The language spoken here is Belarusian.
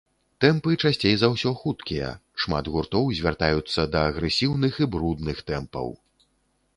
Тэмпы часцей за ўсё хуткія, шмат гуртоў звяртаюцца да агрэсіўных і брудных тэмпаў.